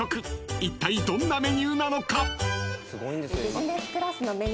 ［いったいどんなメニューなのか］